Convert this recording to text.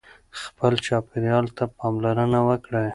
خپل چاپېریال ته پاملرنه وکړئ.